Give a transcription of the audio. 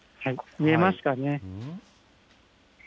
見えますかね。